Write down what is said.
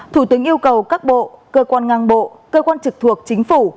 thủ tướng yêu cầu các bộ cơ quan ngang bộ cơ quan trực thuộc chính phủ